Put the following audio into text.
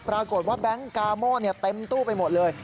ปรากฏว่าแบงก์กาโม่เต็มตู้ไปหมดเลย